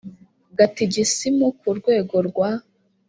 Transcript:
gatigisimu ku rwego rwa